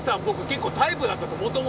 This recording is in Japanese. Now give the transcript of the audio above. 僕結構タイプだったんですよ